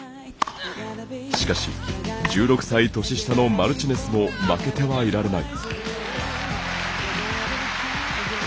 しかし、１６歳年下のマルチネスも負けてはいられない。